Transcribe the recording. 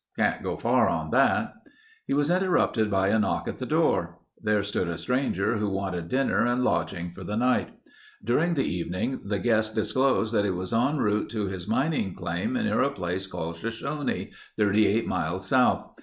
Can't get far on that—" He was interrupted by a knock at the door. There stood a stranger who wanted dinner and lodging for the night. During the evening the guest disclosed that he was en route to his mining claim near a place called Shoshone, 38 miles south.